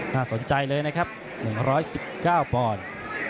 น่าสนใจเลยนะครับ๑๑๙ปอนด์